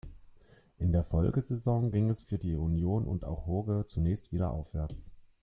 In der Folgesaison ging es für Union und auch Hoge zunächst wieder aufwärts.